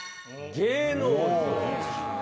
「芸能人」ね。